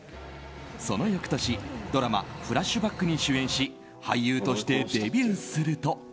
その翌年ドラマ「ＦＬＡＳＨＢＡＣＫ」に主演し俳優としてデビューすると。